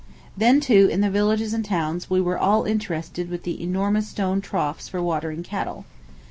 Then, too, in the villages and towns we were all interested with the enormous stone troughs for watering cattle.